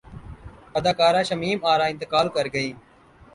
اداکارہ شمیم ارا انتقال کرگئیں